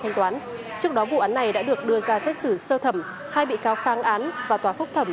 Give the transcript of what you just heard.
thanh toán trước đó vụ án này đã được đưa ra xét xử sơ thẩm hai bị cáo kháng án và tòa phúc thẩm